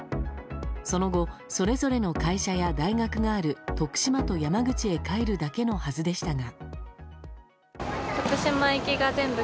その後、それぞれの会社や大学がある徳島と山口へ帰るだけのはずでしたが。